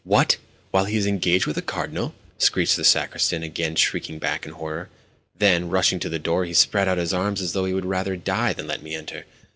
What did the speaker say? "What? While he is engaged with a Cardinal?" screeched the sacristan, again shrinking back in horror. Then, rushing to the door, he spread out his arms as though he would rather die than let me enter.